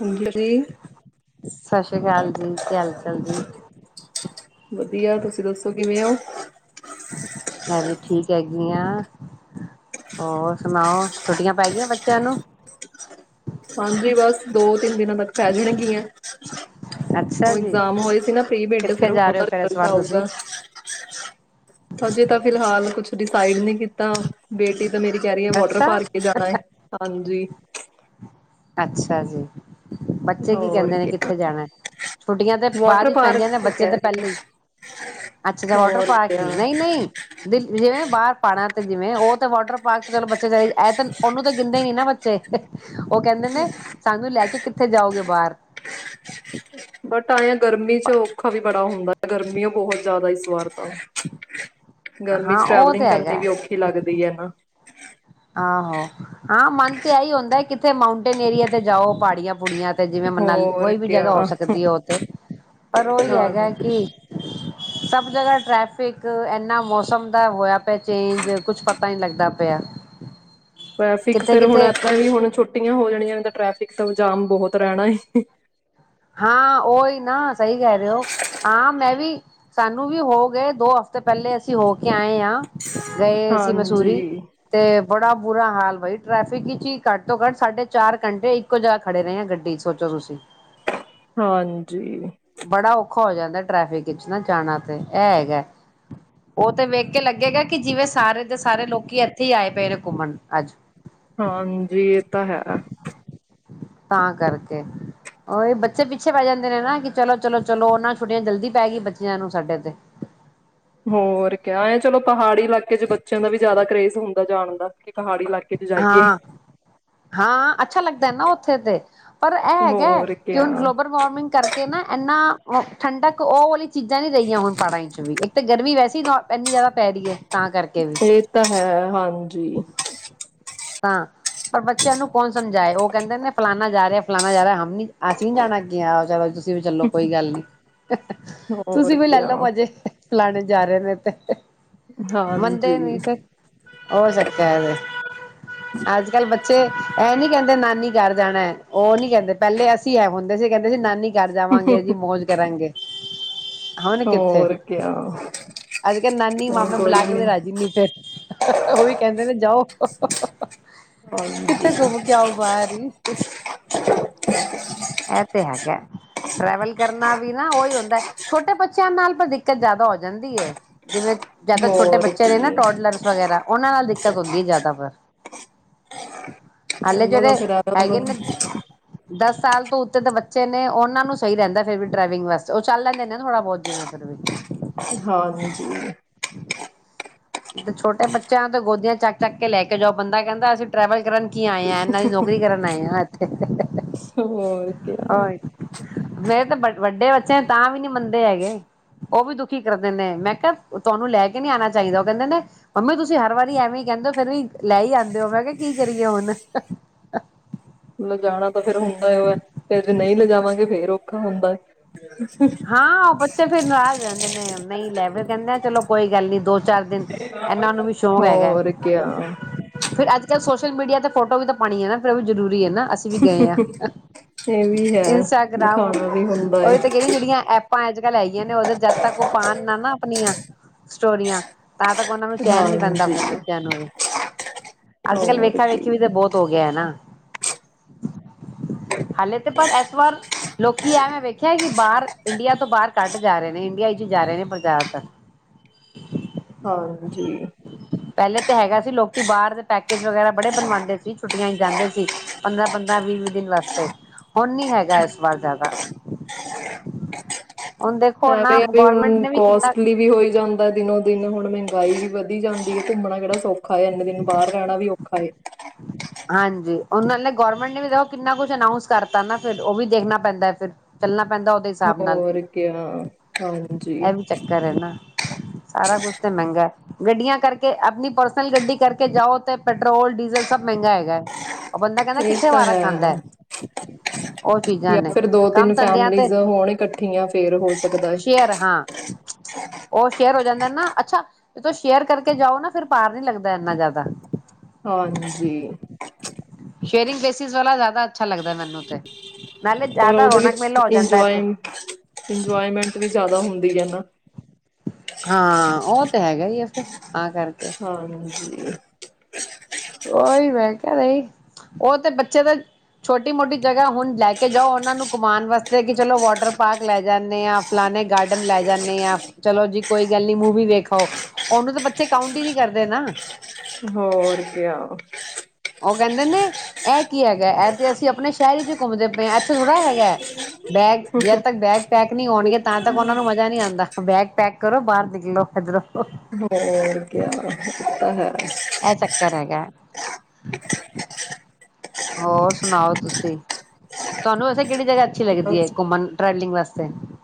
ਹਾਂਜੀ ਸਤਿ ਸ੍ਰੀ ਅਕਾਲ ਜੀ ਕੀ ਹਾਲ ਚਾਲ ਜੀ ਵਧੀਆ ਤੁਸੀਂ ਦੱਸੋ ਕਿਵੇ ਓ ਮੈਂ ਵੀ ਠੀਕ ਹੈਗੀ ਹਾਂ ਹੋਰ ਸੁਣਾਓ ਛੁੱਟੀਆਂ ਪੈ ਗਈਆਂ ਬੱਚਿਆਂ ਨੂੰ ਹਾਂਜੀ ਬਸ ਦੋ ਤਿੰਨ ਦਿਨਾਂ ਤੱਕ ਪੈ ਜਾਣਗੀਆਂ ਅੱਛਾ ਉਹ ਜੀ ਇਗਜਾਮ ਹੋਏ ਸੀ ਨਾ ਪ੍ਰੀ ਬਡ ਕਿੱਥੇ ਫਿਰ ਜਾ ਰਹੇ ਹੋ ਫੇਰ ਇਸ ਰਿਲਟ ਵਾਰ ਤੁਸੀਂ ਆਊਗਾ ਹਜੇ ਤਾਂ ਫਿਲਹਾਲ ਕੁਛ ਡਿਸਾਈਡ ਨੀ ਕੀਤਾ ਬੇਟੀ ਤਾ ਮੇਰੀ ਕਹਿ ਰਹੀ ਹੈ ਵਾਟਰ ਅੱਛਾ ਪਾਰਕ ਕੇ ਜਾਣਾ ਹੈ ਹਾਂਜੀ ਅੱਛਾ ਜੀ ਬੱਚੇ ਕੀ ਹੋਰ ਕਹਿੰਦੇ ਨੇ ਕਿਆ ਕਿੱਥੇ ਜਾਣਾ ਛੁੱਟੀਆਂ ਤੇ ਬਾਅਦ ਵਾਟਰ ਵਿਚ ਪਾਰਕ ਪੈਂਦੀਆਂ ਨੇ ਬੱਚੇ ਕਹਿ ਤੇ ਰਹੀ ਹੈ ਪਹਿਲਾਂ ਹੀ ਅੱਛਾ ਅੱਛਾ ਵਾਟਰ ਹੋਰ ਪਾਰਕ ਕਿਆ ਹੀ ਨਹੀਂ ਨਹੀਂ ਜਿਵੇਂ ਬਾਹਰ ਪਾੜਾ ਤੇ ਜਿਵੇਂ ਉਹ ਤੇ ਵਾਟਰ ਪਾਰਕ ਤੇ ਚਲੋ ਬੱਚੇ ਚਲੇ ਇਹ ਉਹਨੂੰ ਤਾਂ ਗਿਣਦੇ ਨੀ ਨਾ ਬੱਚੇ [unintelligible] ਉਹ ਕਹਿੰਦੇ ਨੇ ਸਾਨੂੰ ਲੈ ਕੇ ਕਿੱਥੇ ਜਾਓਗੇ ਬਾਹਰ ਬਟ ਆਏ ਆ ਗਰਮੀ ਚ ਔਖਾ ਵੀ ਬੜਾ ਹੁੰਦਾ ਗਰਮੀਓ ਬਹੁਤ ਜ਼ਿਆਦਾ ਇਸ ਵਾਰ ਤਾਂ ਗਰਮੀ ਹਾਂ ਚ ਉਹ ਟਰੈਵਲਿੰਗ ਤੇ ਕਰਨੀ ਹੈਗਾ ਵੀ ਔਖੀ ਲੱਗਦੀ ਹੈ ਨਾ [inaudible] ਆਹੋ ਹਾਂ ਮਨ ਤੇ ਇਹੀ ਹੁੰਦਾ ਕਿੱਥੇ ਮਾਊਂਟੇਨ ਏਰੀਆ ਤੇ ਜਾਓ ਪਹਾੜੀਆਂ ਕੁੜੀਆਂ ਤੇ ਜਿਵੇਂ ਮਨਾਲੀ ਹੋਰ ਕੋਈ ਵੀ ਜਗ੍ਹਾ ਕਿਆ ਹੋ ਸਕਦੀ ਹੈ ਉੱਥੇ ਪਰ ਉਹੀ ਹਾਂਜੀ ਹੈਗਾ ਕਿ ਸਭ ਜਗ੍ਹਾ ਟ੍ਰੈਫਿਕ ਇਨਾ ਮੌਸਮ ਦਾ ਹੋਇਆ ਪਿਆ ਚੇਂਜ ਕੁਛ ਪਤਾ ਨਹੀਂ ਲੱਗਦਾ ਪਿਆ। ਟਰੈਫਿਕ ਕਿੱਥੇ ਫੇਰ ਹੁਣ ਕਿੱਥੇ ਇਦਾਂ ਹੀ ਹੁਣ ਛੁੱਟੀਆਂ ਹੋ ਜਾਣੀਆਂ ਟਰੈਫਿਕ ਇੱਕ ਤਾਂ ਜਾਮ ਬਹੁਤ ਰਹਿਣਾ ਏ ਹਾਂ ਉਹੀ ਨਾ ਸਹੀ ਕਹਿ ਰਹੇ ਹੋ ਹਾਂ ਮੈਂ ਵੀ ਸਾਨੂੰ ਵੀ ਹੋ ਗਏ ਦੋ ਹਫ਼ਤੇ ਪਹਿਲੇ ਅਸੀਂ ਹੋ ਕੇ ਆਏ ਹਾਂ। ਗਏ ਸੀ ਮਸੂਰੀ ਹਾਂਜੀ, ਤੇ ਬੜਾ ਬੁਰਾ ਹਾਲ ਬਾਈ ਟ੍ਰੈਫਿਕ ਚ ਹੀ ਘੱਟ ਤੋਂ ਘੱਟ ਸਾਢੇ ਚਾਰ ਘੰਟੇ ਇੱਕੋ ਜਗ੍ਹਾ ਖੜੇ ਰਹੇ ਆ ਗੱਡੀ ਚ ਸੋਚੋ ਤੁਸੀਂ ਹਾਂਜੀ ਬੜਾ ਔਖਾ ਹੋ ਜਾਂਦਾ ਟ੍ਰੈਫਿਕ ਵਿੱਚ ਨਾ ਜਾਣਾ ਤੇ ਹੈਗਾ ਉਹ ਤੇ ਵੇਖ ਕੇ ਲੱਗੇਗਾ ਕਿ ਜਿਵੇਂ ਸਾਰੇ ਦੇ ਸਾਰੇ ਲੋਕੀ ਇੱਥੇ ਹੀ ਆਏ ਪਏ ਨੇ ਘੁੰਮਣ ਅੱਜ ਹਾਂਜੀ ਇਹ ਤਾਂ ਹੈਗਾ। ਤਾਂ ਕਰਕੇ ਉਹੀ ਬੱਚੇ ਪਿੱਛੇ ਪੈ ਜਾਂਦੇ ਨੇ ਨਾ ਕਿ ਚਲੋ -ਚਲੋ -ਚਲੋ ਉਹਨਾਂ ਛੁੱਟੀਆਂ ਜਲਦੀ ਪੈ ਗਈ ਬੱਚਿਆਂ ਨੂੰ ਸਾਡੇ ਤੇ ਹੋਰ ਕ ਐ ਚਲੋ ਪਹਾੜੀ ਇਲਾਕੇ 'ਚ ਬੱਚਿਆਂ ਦਾ ਵੀ ਜ਼ਿਆਦਾ ਕਰੇਜ਼ ਹੁੰਦਾ ਜਾਣ ਦਾ ਕਿ ਪਹਾੜੀ ਇਲਾਕੇ ਚ ਜਾਈਏ। ਹਾਂ -ਹਾਂ ਅੱਛਾ ਲੱਗਦਾ ਹੈ ਨਾ ਉਹ [unintelligible] ਪਰ ਇਹ ਹੈਗਾ ਹੋਰ ਕਿ ਕਿਆ ਹੁਣ ਗਲੋਬਲ ਵਾਰਮਿੰਗ ਕਰਕੇ ਨਾ ਇੰਨਾ ਠੰਡਕ ਉਹ ਵਲੀ ਚੀਜ਼ਾਂ ਨੀ ਰਹੀਆਂ ਹੁਣ ਪੜ੍ਹਾਈ 'ਚ ਵੀ ਤੇ ਗਰਮੀ ਵੈਸੇ ਇੰਨੀ ਜ਼ਿਆਦਾ ਪੈ ਰਹੀ ਐ। ਇਹ ਤਾਂ ਹੈ ਹਾਂਜੀ। ਤਾਂ ਪਰ ਬੱਚਿਆਂ ਨੂੰ ਕੌਣ ਸਮਝਾਏ ਉਹ ਕਹਿੰਦੇ ਨੇ ਫਲਾਨਾ ਜਾ ਰਿਹਾ ਫਲਾਨਾ ਜਾ ਰਿਹਾ ਹਮ ਨ ਅਸੀਂ ਨੀ ਜਾਣਾ ਕੀ ਤੁ ਵੀ ਚਲੋ ਕੋਈ ਗੱਲ ਨੀ ਹੋਰ ਤੁਸੀਂ ਵੀ ਲੈ ਕਿਆ। ਲੋ ਮਜ਼ੇ ਫਲਾਣੇ ਜਾ ਰਹੇ ਨੇ ਤੇ [inaudible] ਮੰਨਦੇ ਹਾਂਜੀ ਨਹੀਂ ਤੇ ਹੋ ਸਕਤੇ ਐਵੇਂ [inaudible] ਅੱਜ ਕੱਲ ਬੱਚੇ ਇਹ ਨੀ ਕਹਿੰਦੇ ਨਾਨੀ ਘਰ ਜਾਣਾ ਹੈ ਉਹ ਨੀ ਕਹਿੰਦੇ ਪਹਿਲੇ ਅਸੀਂ ਇਹ ਹੁੰਦੇ ਸੀ ਕਹਿੰਦੇ ਸੀ ਨਾਨੀ ਘਰ ਜਾਵਾਂਗੇ ਜੀ ਮੌਜ ਕਰਾਂਗੇ। ਹੁਣੇ ਕਿੱਥੇ ਹੋਰ ਕਿਆ ਅੱਜ ਕੱਲ ਨਾਨੀ ਹੁਣ ਮਾਮੇ ਕੋਈ ਬੁਲਾ ਕੇ ਨੀ ਵੀ ਰਾਜੀ ਫ ਉਹ ਵੀ ਕਹਿੰਦੇ ਨੇ ਜਾਓ। [inaudible] ਕਿੱਥੇ ਹਾਂਜੀ। ਘੁੰਮ ਕਿਉ ਬਾਹਰ ਹੀ ਇਹ ਤੇ ਹੈਗਾ ਟਰੈਵਲ ਕਰਨਾ ਵੀ ਨਾ ਉਹੀ ਹੁੰਦਾ ਛੋਟੇ ਬੱਚਿਆਂ ਨਾਲ ਪਰ ਦਿੱਕਤ ਜ਼ਿਆਦਾ ਹੋ ਜਾਂਦੀ ਹੈ ਜਿਵੇਂ ਜਾਂ ਤਾਂ ਛੋਟੇ ਹੋਰ ਬੱਚੇ ਨੇ ਨਾ ਕੀ ਟੋਡਲਰਸ ਵਗੈਰਾ ਉਹਨਾਂ ਨਾਲ ਦਿੱਕਤ ਹੁੰਦੀ ਜ਼ਿਆਦਾ ਪਰ ਹਾਲੇ ਉਹਨਾਂ ਦਾ ਜਿਹੜੇ ਫਿਰ ਆਇਆ ਉਹਨਾਂ ਹੈਗੇ ਨੇ ਨੂੰ ਦਸ ਸਾਲ ਤੋਂ ਉੱਤੇ ਦੇ ਬੱਚੇ ਨੇ ਉਹਨਾਂ ਨੂੰ ਸਹੀ ਰਹਦਾ ਫਿਰ ਵੀ ਡਵਿੰਗ ਵਾਸਤੇ ਉਹ ਚੱਲ ਲੈਂਦੇ ਨੇ ਨਾ ਥੋੜ੍ਹਾ ਬਹੁਤ ਜਿਵੇਂ ਫਿਰ ਵੀ ਹਾਂਜੀ ਤੇ ਛੋਟੇ ਬੱਚਿਆਂ ਤੇ ਗੋਦੀਆਂ ਚੱਕ ਚੱਕ ਕੇ ਲੈ ਕੇ ਜਾਓ ਬੰਦਾ ਕਹਿੰਦਾ ਅਸੀਂ ਟਰੈਵਲ ਕਰਨ ਕੀ ਆਏ ਆ ਇਹਨਾਂ ਦੀ ਨੌਕਰੀ ਕਰਨ ਆਏ ਆਂ। [inaudible] ਤੇ ਹੋਰ ਕਿਆ ਮੇਰੇ ਤਾਂ ਵੱਡੇ ਬੱਚੇ ਤਾਂ ਵੀ ਨੀ ਮੰਨਦੇ ਹੈਗੇ ਉਹ ਵੀ ਦੁਖੀ ਕਰ ਦਿੰਦੇ ਮੈਂ ਕਿਹਾ ਤੁਹਾਨੂੰ ਲੈ ਕੇ ਨਹੀਂ ਆਣਾ ਚਾਹੀਦਾ। ਕਹਿੰਦੇ ਨੇ ਮੰਮੀ ਤੁਸੀਂ ਹਰ ਵਾਰੀ ਐਵੇਂ ਕਹਿੰਦੇ ਹੋ ਫੇਰ ਵੀ ਲੈ ਹੀ ਆਉਂਦੇ ਹੋ ਮੈਂ ਕਿਹਾ ਕੀ ਕਰੀਏ ਹੁਣ ਲਿਜਾਣਾ ਤਾਂ ਫੇਰ ਹੁੰਦਾ ਉਹ ਹੈ ਫ ਜੇ ਨਹੀਂ ਲਿਜਾਵਾਂਗੇ ਫੇਰ ਔਖਾ ਹੁੰਦਾ। ਹਾਂ, ਉਹ ਬੱਚੇ ਫੇਰ ਨਾਰਾਜ਼ ਹੋ ਜਾਂਦੇ ਨੇ ਨਹੀਂ ਲੈ ਫਿਰ ਕਹਿੰਦੇ ਆ ਚਲੋ ਕੋਈ ਗੱਲ ਨੀ ਦੋ ਚਾਰ ਦਿਨ ਇਹਨਾਂ ਨੂੰ ਵੀ ਸ਼ੌਕ ਹੈਗਾ ਹੋਰ ਕਿਆ ਫੇਿਰ ਅੱਜ ਸੋਸ਼ਲ ਮੀਡੀਆ ਤੇ ਫੋਟੋ ਵੀ ਤਾਂ ਪਾਣੀ ਨਾ ਜਰੂਰੀ ਹੈ ਨਾ ਅਸੀਂ ਵੀ ਗਏ ਹਾਂ ਏ ਵੀ ਹੈ ਇੰਸਟਾਗ੍ਰਾਮ ਦਿਖਾਣਾ ਵੀ ਹੁੰਦਾ ਉਹ ਏ। ਐਪਾਂ ਅੱਜ ਕੱਲ੍ਹ ਹੈਈਆਂ ਨੇ ਉਹਦੇ ਜਦ ਤੱਕ ਉਹ ਪਾ ਨਾ ਨਾ ਆਪਣੀਆਂ ਸਟੋਰੀਆਂ ਤਾਂ ਤੱਕ ਉਹਨਾਂ ਨੂੰ ਚੈਨ ਨੀ ਪੈਂਦਾ ਹਾਂਜੀ ਫਿਰ ਬੱਚਿਆਂ ਨੂੰ ਵੀ ਅੱਜ ਕੱਲ ਹੋਰ ਵੇਖਾ ਕੀ ਵੇਖੀ ਵੀ ਤੇ ਬਹੁਤ ਹੋ ਗਿਆ ਨਾ ਹਾਲ ਤੇ ਪਰ ਐਸ ਵਾਰ ਲੋਕੀ ਐਵੇਂ ਵਖੀ ਅੱਛਿਆ ਕਿ ਬਾਹਰ ਇੰਡੀਆ ਤੋਂ ਬਾਹਰ ਕੱਢ ਜਾ ਰਹੇ ਨੇ ਇੰਡੀਆ ਵਿੱਚ ਜਾ ਰਹੇ ਨੇ ਪੰਜਾਬ ਹਾਂਜੀ ਪਹਿਲਾਂ ਤੇ ਹੈਗਾ ਸੀ ਲੋਕੀ ਬਾਹਰ ਦੇ ਪੈਕ ਵਗੈਰਾ ਬੜੇ ਬਣਵਾਉਂਦੇ ਸੀ ਛੁੱਟੀਆਂ ਜਾਂਦੇ ਸੀ ਪੰਦਰਾਂ ਪੰਦਰਾਂ ਵੀਹ ਵੀਹ ਦਿਨ ਵਾਸਤੇ ਹੁਣ ਨੀ ਹੈਗਾ ਇਸ ਵਾਰ ਜ਼ਿਆਦਾ ਹੁਣ ਦੇਖੋ ਨਾ ਐਵੇਂ ਆ ਵੀ ਗੌਰਮੈਂਟ ਹੁਣ ਨੇ ਵੀ ਕਿੰਨਾ ਕੋਸਟਲੀ ਵੀ ਹੋਈ ਜਾਂਦਾ ਦਿਨੋ ਦਿਨ ਹੁਣ ਮਹਿੰਗਾਈ ਵਧੀ ਜਾਂਦੀ ਹੈ ਘੁੰਮਣਾ ਕਿਹੜਾ ਸੌਖਾ ਇੰਨੇ ਦਿਨ ਬਾਹਰ ਰਹਿਣਾ ਵੀ ਔਖਾ ਹੈ। ਹਾਂਜੀ ਉਹਨਾਂ ਨੇ ਗੌਰਮੈਂਟ ਨੇ ਵੀ ਦੇਖੋ ਕਿੰਨਾ ਕੁਛ ਅਨਾਊਂਸ ਕਰਤਾ ਨਾ ਫਿਰ ਉਹ ਵੀ ਦੇਖਣਾ ਪੈਂਦਾ ਫਿਰ ਚੱਲਣਾ ਪੈਂਦਾ ਉਹਦੇ ਹਿਸਾਬ ਨਾਲ ਹੋਰ ਕਿਆ ਹਾਂਜੀ ਇਹ ਵੀ ਚੱਕਰ ਹੈ ਨਾ ਸਾਰਾ ਕੁਛ ਤੇ ਮਹਿੰਗਾ ਗੱਡੀਆਂ ਕਰਕੇ ਆਪਣੀ ਪਰਸਨਲ ਗੱਡੀ ਕਰਕੇ ਜਾਓ ਤੇ ਪੈਟਰੋਲ ਡੀਜ਼ਲ ਸਭ ਮਹਿੰਗਾ ਹੈਗਾ ਹੈ। ਉਹ ਬੰਦਾ ਕਹਿੰਦਾ ਇਹ ਕਿੱਥੇ ਤਾਂ ਵਾਰਾ ਹੈ ਖਾਂਦਾ ਉਹ ਚੀਜ਼ਾਂ ਜਾਂ ਨੇ ਫਿਰ ਦੋ ਕੰਮ ਤਿੰਨ ਧੰਦਿਆਂ ਤੇ ਫੈਮਲੀਜ਼ ਹੋਣ ਇਕੱਠੀੀਆਂ ਫੇਰ ਹੋ ਸਕਦਾ ਹੈ ਸ਼ੇਅਰ ਹਾਂ ਉਹ ਸ਼ੇਰੋ ਜਾਂਦਾ ਨਾ ਅੱਛਾ ਤੁਸੀਂ ਸ਼ੇਅਰ ਕਰਕੇ ਜਾਓ ਨਾ ਫਿਰ ਭਾਰ ਨੀ ਲੱਗਦਾ ਇੰਨਾ ਜ਼ਿਆਦਾ ਹਾਂਜੀ ਸ਼ੇਅਰਿੰਗ ਬੇਸਿਸ ਵਾਲਾ ਜ਼ਿਆਦਾ ਅੱਛਾ ਲੱਗਦਾ ਮੈਨੂੰ ਤੇ ਨਾਲੇ ਔਰ ਜ਼ਿਆਦਾ ਉਹਦੇ ਰੌਣਕ ਮੇਲਾ ਵਿੱਚ ਹੋ ਜਾਂਦਾ ਹੈ ਇੰਜੋਏ ਫਿਰ ਇੰਜੋਏਮੈਂਟ ਵੀ ਜ਼ਿਆਦਾ ਹੁੰਦੀ ਵਧ ਨਾ ਹਾਂ ਉਹ ਤੇ ਹੈਗਾ ਆ [unintelligible] ਹਾਂਜੀ ਹੂੰ ਕੋਈ ਮੈਂ ਕ ਨਹੀਂ ਉਹ ਤੇ ਬੱਚੇ ਤਾਂ ਛੋਟੀ ਮੋਟੀ ਜਗਾ ਹੁਣ ਲੈ ਕੇ ਜਾਓ ਨੂੰ ਘਮਾਨ ਵਾਸਤੇ ਚਲੋ ਵਾਟਰ ਪਾਰਕ, ਲੈ ਜਾਂੇ ਆ ਫਲਾਨ ਗਾਰਡਨ, ਲੈ ਜਾਂਦੇ ਆ ਚਲੋ ਜੀ ਕੋਈ ਗੱਲ ਨ ਮੂਵੀ, ਵੇਖੋ ਓਨੂੰ ਤਾਂ ਬੱਚੇ ਕਾਉਟ ਹੀ ਨੀ ਕਰਦੇ ਨਾ ਹੋਰ ਕਿਆ ਉਹ ਕਹਿੰਦੇ ਨੇ ਇਹ ਕੀ ਹੈਗਾ ਇਹ ਤੇ ਅਸੀਂ ਆਪਣੇ ਸ਼ਹਿਰ ਚ ਘੁੰਮਦੇ ਪਏ ਹਾਂ ਇੱਥੇ ਥੋੜ੍ਹਾ ਹੈਗਾ ਹੈ ਬੈਗ ਜਦ ਤੱਕ ਬੈਗ ਪੈਕ ਨਹੀਂ ਹੋਣਗੇ ਤਾਂ ਤੱਕ ਉਹਨਾਂ ਨੂੰ ਮਜ਼ਾ ਨਹੀਂ ਆਉਂਦਾ ਬੈਗ ਪੈਕ ਕਰੋ, ਬਾਰ ਨਿਕਲੋ ਹੋਰ ਕਿਆ ਹੈ। ਇਹ ਚੱਕਰ ਹੈਗਾ ਹੋਰ ਸੁਣਾਓ ਤੁਸੀਂ ਤੁਹਾਨੂੰ ਵਸੇ ਕਿਹੜੀ ਜਗ੍ਹਾ ਅੱਛ ਲੱਗਦੀ ਹੈ ਬਸ ਘੁੰਮਣ ਟਰਵਲਿੰਗ ਵਸਤੇ ਸਹੀ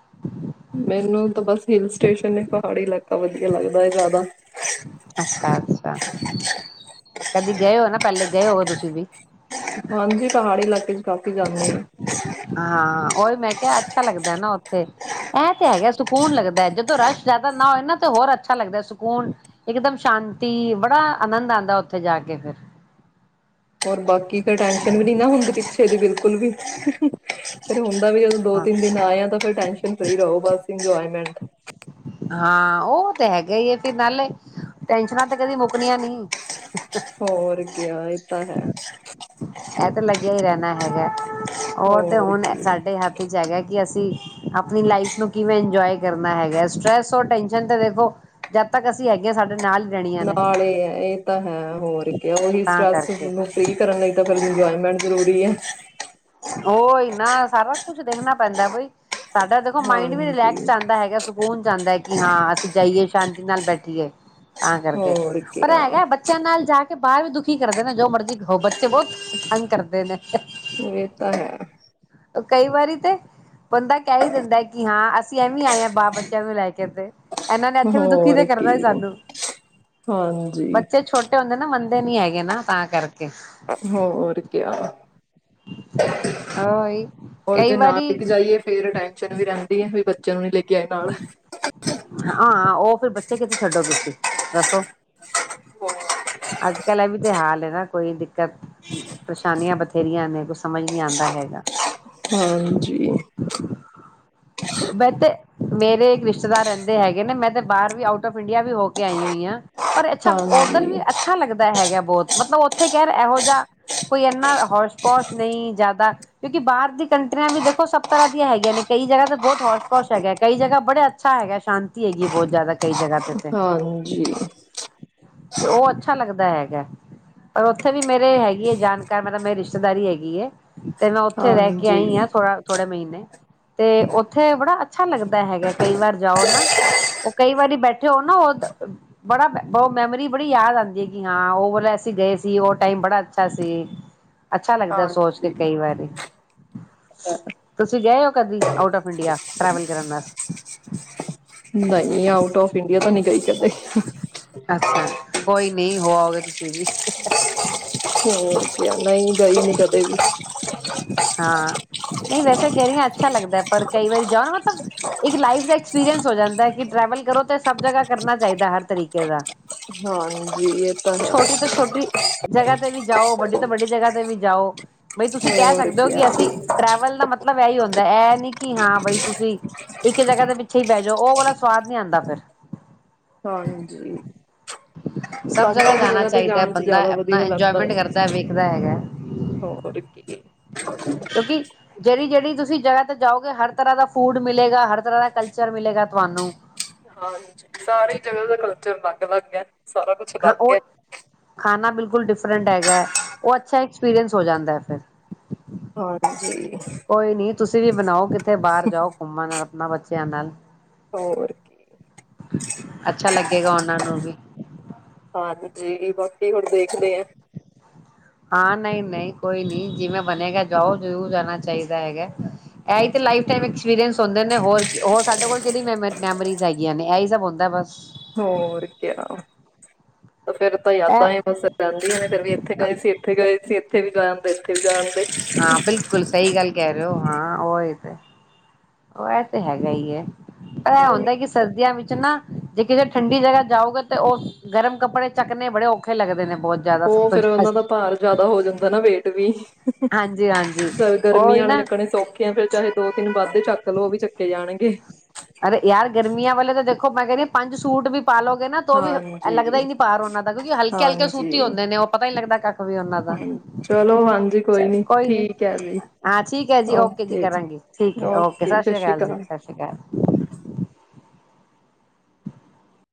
ਮੈਨੂੰ ਤਾਂ ਬਸ ਹਿਲ ਸਟੇਸ਼ਨ ਨੇ ਪਹਾੜੀ ਇਲਾਕਾ ਵਧੀਆ ਲੱਗਦਾ ਹੈ ਜ਼ਿਆਦਾ ਅੱਛਾ ਅੱਛਾ ਕਦੀ ਗਏ ਹੋ ਨਾ ਪਹਿਲੇ ਗਏ ਹੋ ਤੁਸੀਂ ਵੀ ਹਾਂਜੀ ਪਹਾੜੀ ਇਲਾਕੇ ਚ ਕਾਫੀ ਜਾਂਦੇ ਆ ਹਾਂ ਉਹੀ ਮੈਂ ਕਿਹਾ ਅੱਛਾ ਲੱਗਦਾ ਨਾ ਉੱਥੇ ਇਹ ਤੇ ਹੈਗਾ ਸਕੂਨ ਲੱਗਦਾ ਜਦੋਂ ਰਸ਼ ਜ਼ਿਆਦਾ ਨਾ ਹੋਏ ਨਾ ਤੇ ਹੋਰ ਅੱਛਾ ਲੱਗਦਾ ਸਕੂਨ ਇੱਕਦਮ ਸ਼ਾਂਤੀ ਬੜਾ ਆਨੰਦ ਆਉਂਦਾ ਉੱਥੇ ਜਾ ਕੇ ਫਿਰ ਹੋਰ ਬਾਕੀ ਕੋ ਟੈਂਸ਼ਨ ਵੀ ਨੀ ਨਾ ਹੁੰਦੀ ਪਿੱਛੇ ਦੀ ਬਿਲਕੁਲ ਵੀ ਫਿਰ ਹੂਹੂ ਤਦੀ ਅ ਦੋ ਹਾਂ ਤਿੰਨ ਦਿਨ ਆਏ ਆ ਫਿਰਰ ਟੈਂਸ਼ਨ ਫਰੀ ਰਹੋ ਬਸ ਇੰਜੋਏਮੈਂਟ ਹਾਂ, ਉਹ ਤੇ ਹੈਗਾ ਹੀ ਆ ਫਿਰ ਨਾਲੇ ਟੈਨਸ਼ਨਾਂ ਤੇ ਕਦੀ ਮੁੱਕਣੀਆਂ ਨਹੀਂ ਹੋਰ ਆ ਇਹ ਤਾਂ ਹੈ। ਹੋਗਿਆ ਉਹ ਤੇ ਹੋਰ ਹੁਣ ਕੀ ਸਾਡੇ ਹੱਥ ਚ ਹੈਗਾ ਕਿ, ਅਸੀਂ ਆਪਣੀ ਲਾਈਫ ਨੂੰ ਕਿਵੇਂ ਇੰਜੋਏ ਕਰਨਾ ਹੈਗਾ, ਸਟਰ੍ਰੈਸ ਔਰ ਟੈਸ਼ਨ ਤੇ ਦੇਖੋ ਜਦ ਤੱਕ ਅਸੀਂ ਹੈਗੇ ਹ ਸਾਡੇ ਨਾਲ ਰਹਿਣੀਆਂ ਨੇ ਨਾਲ ਇਹ ਹੈ ਇਹ ਤਾਂ ਹੈ ਹੋਰ ਉਹੀ ਤਾਂ ਸਟਰੈਸ ਕਰਕੇ ਫਰੀ ਕਰਨ ਲਈ ਤਾਂ ਫਿਰ ਇੰਜੋਏਮੈਂਟ ਜ਼ਰੂਰੀ ਹੈ। ਉਹ ਇਨਾ ਸਾਰਾ ਕੁਛ ਦੇਖਣਾ ਪੈਂਦਾ ਬਈ ਸਾਡਾ ਦੇਖੋ ਮਾਇੰਡ ਵੀ ਰਿਲੈਕਸ ਹਾਂਜੀ ਜਾਂਦਾ ਹੈਗਾ ਸਕੂਨ ਜਾਂਦਾ ਹੈ। ਕਿ ਹਾਂ ਅਸੀਂ ਜਾਈਏ ਸ਼ਾਂਤੀ ਨਾਲ ਬੈਠੀਏ ਤਾਂ ਕਰਕੇ ਹੋਰ ਪਰ ਕਿਆ ਹੈਗਾ ਬੱਚਿਆਂ ਨਾਲ ਜਾ ਕੇ ਬਾਹਰ ਵੀ ਦੁਖੀ ਕਰਦੇ ਨੇ, ਜੋ ਮਰਜ਼ੀ ਹੋ ਬੱਚੇ ਬਹੁਤ ਤੰਗ ਕਰਦੇ ਨੇ ਇਹ ਤਾਂ ਹੈ ਕਈ ਵਾਰੀ ਤੇ ਬੰਦਾ ਕਹਿ ਹੀ ਦਿੰਦਾ ਕਿ ਹਾਂ ਅਸੀਂ ਐਵੇਂ ਆਏ ਹਾਂ ਬਾਪ ਬੱਚਿਆਂ ਨੂੰ ਲੈ ਕੇ ਤੇ ਇਹਨਾਂ ਨੇ ਇੱਥੇ ਵੀ ਦੁਖੀ ਤੇ ਹੋਰ ਕਰਨਾ ਸੀ ਕੀ ਸਾਨੂੰ ਹਾਂਜੀ ਬੱਚੇ ਛੋਟੇ ਹੁੰਦੇ ਨਾ ਮੰਦੇ ਨੀ ਹੈਗੇ ਨਾ ਤਾਂ ਕਰਕੇ ਹੋ ਰ ਕਿਆ ਉਹੀ ਹੋਰ ਕਈ ਜੇ ਨਾ ਵਾਰੀ ਲਗ ਜਾਈਏ ਫੇਰ ਟੈਨਸ਼ਨ ਵੀ ਰਹਿੰਦੀ ਹੈ। ਵਈ ਬੱਚਿਆਂ ਨੂੰ ਨਹੀਂ ਲੇ ਹਾਂ, ਉਹ ਫਿਰ ਬੱਚੇ ਕਿਥੇ ਛੱਡੋ ਤੁਸੀਂ? ਦੱਸੋ? ਅੱਜ ਕੱਲ ਐ ਵੀ ਤੇ ਹਾਲ ਐ ਨਾ ਕੋਈ ਦਿੱਕਤ ਪਰੇਸ਼ਾਨੀਆਂ ਬਥੇਰੀਆਂ ਨੇ, ਕੁਸ ਹਾਂਜੀ। ਮੈ ਤੇ, ਮੇਰੇ ਇੱਕ ਰਿਸ਼ਤੇਦਾਰ ਰਹਿੰਦੇ ਹੈਗੇ ਨੇ, ਮੈਂ ਤੇ ਬਾਹਰ ਵੀ ਆਊਟ ਆਫ ਇੰਡੀਆ ਵੀ ਹੋ ਕੇ ਆਈ ਹੋਈ ਆਂ। ਪਰ ਅੱਛਾ ਉੱਧਰ ਹਾਂਜੀ ਵੀ ਅੱਛਾ ਲੱਗਦਾ ਹੈਗਾ ਬਹੁਤ। ਮਤਲਬ ਉੱਥੇ ਕਹਿ ਰਹੇ ਇਹੋ ਜਿਹਾ ਕੋਈ ਇੰਨਾ ਹੋਸ਼ ਪੌਸ਼ ਨਹੀਂ ਜ਼ਿਆਦਾ ਕਿਉਂਕਿ ਬਾਹਰ ਦੀ ਕੰਟਰੀਆਂ ਵੀ ਦੇਖੋ ਸਭ ਤਰ੍ਹਾਂ ਦੀਆਂ ਹੈਗੀਆਂ ਨੇ, ਕਈ ਜਗ੍ਹਾ ਤੇ ਬਹੁਤ ਹੌਸ਼-ਪੌਸ਼ ਹੈਗਾ। ਕਈ ਜਗਾ ਬੜੇ ਅੱਛਾ ਹੈਗਾ, ਸ਼ਾਂਤੀ ਹੈਗੀ ਬਹੁਤ ਜ਼ਿਆਦਾ ਕਈ ਜਗ੍ਹਾ ਤੇ ਤੇ ਹਾਂਜੀ। ਤੇ ਉਹ ਅੱਛਾ ਲੱਗਦਾ ਹੈਗਾ, ਪਰ ਉੱਥੇ ਵੀ ਮੇਰੇ ਹੈਗੀ ਐ ਜਾਣਕਾਰ ਮਤਲਬ ਮੇਰੇ ਰਿਸ਼ਤੇਦਾਰੀ ਹੈਗੀ ਐ ਤੇ ਮੈਂ ਉੱਥੇ ਰਹਿ ਕੇ ਆਈ ਹਾਂਜੀ ਆਂ, ਥੋੜਾ ਥੋੜੇ ਮਹੀਨੇ। ਤੇ ਉ ਥੇ ਬੜਾ ਅੱਛਾ ਲੱਗਦਾ ਹੈਗਾ, ਕਈ ਵਾਰ ਜਾਓ ਨਾ। ਉਹ ਕਈ ਵਾਰੀ ਬੈਠੇ ਹੋ ਨਾ ਉਦ ਅਹ ਬੜਾ ਬ, ਮੈਮੋਰੀ ਬੜੀ ਯਾਦ ਆਂਦੀ ਕਿ ਹਾਂ ਉਹ ਵਲਾ ਅਸੀਂ ਗਏ ਸੀ, ਉਹ ਟਾਈਮ ਬੜਾ ਅੱਛਾ ਸੀ। ਅੱਛਾ ਲੱਗਦਾ ਸੋਚ ਕੇ ਹਾਂਜੀ ਕਈ ਵਾਰੀ। ਤੁਸੀਂ ਗਏ ਹੋ ਕਦੀ ਆਊਟ ਆਫ ਇੰਡੀਆ, ਟਰੈਵਲ ਕਰਨ ਵਾਸ [unintelligible] ਨਹੀਂ, ਆਊਟ ਔਫ ਇੰਡੀਆ ਤਾਂ ਨਈ ਗਈ ਕਦੇ। ਅੱਛਾ ਕੋਈ ਨਹੀਂ, ਹੋਆਓਗੇ ਤੁਸੀਂ ਵੀ। ਹੋਰ ਕਆ, ਨਈ ਗਈ ਨੀ ਕਦੇ ਵੀ। ਹਾਂ ਨਹੀਂ ਵੈਸੇ ਕਹਿ ਰਹੀ ਆਂ, ਅੱਛਾ ਲੱਗਦਾ ਪਰ ਕਈ ਵਾਰੀ ਜਾਓ ਤਾਂ ਇੱਕ ਲਾਈਫ ਦਾ ਐਕਸਪੀਰੀੰਸ ਹੋ ਜਾਂਦਾ ਕਿ ਟ੍ਰੈਵਲ ਕਰੋ ਤੇ ਸਭ ਜਗ੍ਹਾ ਕਰਨਾ ਚਾਹੀਦਾ, ਹਰ ਤਰੀਕੇ ਦਾ। ਹਾਂਜੀ। ਤਾਂ ਹੈ ਛੋਟੀ ਤੋਂ ਛੋਟੀ ਜਗ੍ਹਾ ਤੇ ਵੀ ਜਾਓ, ਵੱਡੀ ਤੇ ਬੜੀ ਜਗ੍ਹਾ ਤੇ ਵੀ ਜਾਓ। ਬਈ ਤੁਸੀਂ ਕਹਿ ਹੋਰ ਸਕਦੇ ਓ ਕਿਆ ਕਿ ਅਸੀਂ ਟਰੈਵਲ ਦਾ ਮਤ ਲਬ ਇਹੀ ਹੁੰਦਾ, ਅਈ ਨੀ ਕਿ ਹਾਂ ਬਈ ਤੁਸੀਂ ਇੱਕ ਜਗ੍ਹਾ ਦੇ ਪਿੱਛੇ ਹੀ ਪੈ ਜਾਓ, ਉਹ ਵਾਲਾ ਸਵਾਦ ਨੀ ਆਂਦਾ ਫਿਰ। ਹਾਂਜੀ, ਸਭ ਬਲ ਜਗ੍ਹਾ ਜਾਣਾ ਚਾਹੀਦੈ, ਬੰਦਾ ਆਪਣਾ ਇੰਜੋਏਮੈਂਟ ਏ ਕਰਦਾ ਵੇਖਦਾ ਹੈਗਾ ਐ। ਹੋਰ ਕੀ ਕਿਉਂਕਿ ਜਿਹੜੀ ਜਿਹੜੀ ਤੁਸੀਂ ਜਗ੍ਹਾ ਤੇ ਜਾਓਗੇ, ਹਰ ਤਰ੍ਹਾਂ ਦਾ ਫੂਡ ਮਿਲੇਗਾ, ਹਰ ਤਰ੍ਹਾਂ ਦਾ ਕਲਚਰ ਮਿਲੇਗਾ ਤੁਹਾਨੂੰ। ਹਾਂਜੀ, ਸਾਰੀ ਜਗ੍ਹਾ ਦਾ ਕਲਚਰ ਅਲੱਗ ਅਲੱਗ ਐ। ਸਾਰਾ ਕੁਛ ਹਾਂ ਅਲੱਗ ਉਹ ਐ। ਖਾਣਾ ਬਿਲਕੁਲ ਡਿਫਰੈਂਟ ਹੈਗਾ, ਉਹ ਅੱਛਾ ਐਕਸਪੀਰੀਅੰਸ ਹੋ ਜਾਂਦਾ ਏ ਫਿਰ। ਹਾਂਜੀ ਕੋਈ ਨੀ ਤੁਸੀਂ ਵੀ ਬਣਾਓ, ਕਿੱਥੇ ਬਾਹਰ ਜਾਓ ਘੁੰਮਣ ਆਪਣਾ ਬੱਚਾ ਧਿਆਨ ਨਾਲ ਹੋਰ ਕੀ ਅੱਛਾ ਲੱਗੇਗਾ ਉਹਨਾ ਨੂੰ ਵੀ। ਹਾਂਜੀ ਬਾਕੀ ਹੁਣ ਦੇਖਦੇ ਐਂ। ਹਾਂ ਨਈ-ਨਈ ਕੋਈ ਨੀ, ਜਿਵੇਂ ਬਣੇਗਾ ਜਾਔ ਜਰੂਰ ਜਾਣਾ ਚਾਹੀਦਾ ਹੈਗੈ। ਐਈ ਤੇ ਲਾਈਫ ਟਾਈਮ ਐਕਸਪੀਰੀਅਂਸ ਹੁੰਦੇ ਨੇ ਹੋਰ ਕੀ, ਹੋਰ ਸਾਡੇ ਕੋਲ ਕਿਹੜੀ ਮੈਮ ਮੈਮਰਿਜ਼ ਹੈਗੀਆਂ ਨੇ ਐਈ ਸਭ ਹੁੰਦਾ ਐ ਬਸ। ਹੋਰ ਕਿਆ ਫੇਰ ਤਾਂ ਇਹ ਯਾਦਾਂ ਈ ਬਸ ਰਹਿੰਦੀਆਂ ਨੇ ਫੇਰ ਵੀ ਇੱਥੇ ਗਏ ਸੀ, ਇੱਥੇ ਗਏ ਸੀ, ਇੱਥ ਇੱਥੇ ਵੀ ਬੈ ਆਂਦੇ। ਵੀ ਜਾ ਆਂਦੇ ਹਾਂ ਬਿਲਕੁਲ ਸਈ ਗੱਲ ਕਹਿ ਰਏ ਔ। ਹਾਂ ਔ ਹੇ ਤੇ ਔ ਐ ਤੇ ਹੈਗਾ ਈ ਏ। ਪਰ ਇਹ ਹੋਰ ਹੁੰਦੈ ਕਿ ਸਰਦੀਆਂ ਵਿੱਚ ਨਾ ਜ ਕਿ ਜੇ ਠੰਡੀ ਜਗਾ ਜਾਔਗੇ ਤੇ ਉਹ ਗਰਮ ਕੱਪੜੇ ਚੱਕਣੇ ਬੜੇ ਔਖੇ ਲੱਗਦੇ ਨੇ। ਬਹੁਤ ਜ਼ਿਆਦਾ ਸਭ ਔਹ ਤੋਂ ਫੇਰ ਉਹਨਾਂ ਦਾ ਭਾਰ ਜਿਆਦਾ ਹੋ ਜਾਂਦਾ ਨਾ, ਵੇਟ ਵੀ। ਹਾਂਜੀ ਹਾਂਜੀ ਗ ਉਹੀ ਗਰਮੀਆਂ ਆਲੇ ਨਾ ਰਖਣੇ ਸੌਖੇ ਆ ਫੇਰ। ਚਾਹੇ ਦੋ-ਤਿੰਨ ਵਾਧੇ ਚੱਕ ਲੋ, ਉਹ ਵੀ ਚੱਕੇ ਜਾਣਗੇ। ਅਰੇ ਯਾਰ ਗਰਮੀਆਂ ਵਾਲੇ ਤਾਂ ਦੇਖੋ ਮੈਂ ਕਹਿ ਰਈ ਆਂ ਪੰਜ ਸੂਟ ਵੀ ਪਾ ਲੋਗੇ ਨਾ ਤੋ ਵੀ ਹ ਐ ਹਾਂਜੀ, ਲੱਗਦਾ ਈ ਨੀ ਭਾਰ ਉਹਨਾਂ ਦਾ ਕਿਉਂਕਿ ਹਲਕੇ-ਹਲਕੇ ਸੂਤੀ ਹਾਂਜੀ, ਹੁੰਦੇ ਨੇ ਉਹ, ਪਤਾ ਈ ਨੀ ਲੱਗਦਾ ਕੱਖ ਵੀ ਉਹਨਾਂ ਦਾ। ਹਾਂ ਚਲੋ ਹਾਂਜੀ ਕੋਈ ਨੀ, ਠੀਕ ਹੈ ਜੀ ਹਾਂ ਠੀਕ ਐ ਜੀ। ਔਕੇ ਜੀ, ਕਰਾਂਗੀ। ਠੀਕ ਐ, ਔਕੇ। ਸਤਿ ਸ੍ਰੀ ਅਕਾਲ ਜੀ, ਸਤਿ ਸ਼੍ਰੀ ਕਾਲ। [unintelligible]